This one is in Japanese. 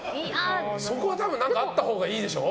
そこは何かあったほうがいいでしょう。